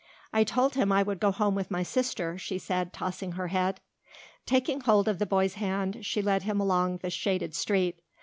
"I told him I would go home with my sister," she said, tossing her head. Taking hold of the boy's hand, she led him along the shaded street.